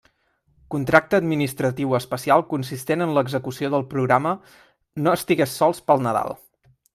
Contracte administratiu especial consistent en l'execució del programa "No estigues sols pel Nadal".